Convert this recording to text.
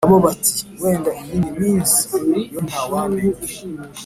nabo bati wenda iyindi minsi yo ntawamenya